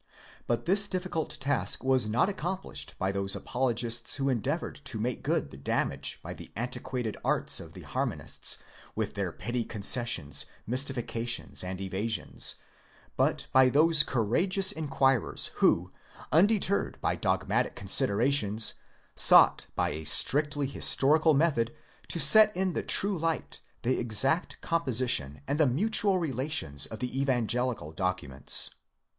But this difficult task was not accom plished by those apologists who endeavoured to make good the damage by the antiquated arts of the harmonists, with their petty concessions, mysti fications, and evasions, but by those courageous in quirers who, undeterred by dogmatic considerations, sought by a strictly historical method to set in the true light the exact composition and the mutual re INTRODUCTION. ΧΧΙ lations of the evangelical documents.